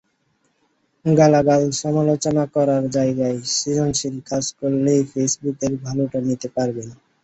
গালাগাল, সমালোচনা করার জায়গায় সৃজনশীল কাজ করলেই ফেসবুকের ভালোটা নিতে পারবেন।